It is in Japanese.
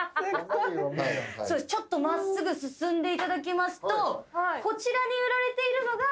ちょっと真っすぐ進んでいただきますとこちらに売られているのが。